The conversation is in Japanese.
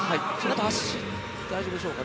足、大丈夫でしょうか。